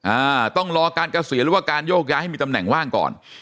อ่าต้องรอการเกษียณหรือว่าการโยกย้ายให้มีตำแหน่งว่างก่อน